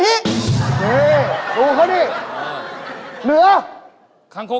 จับข้าว